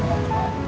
ya bukan ya